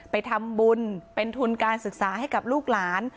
ไปทำบุญเป็นทุนการศึกษาให้กับลูกหลาน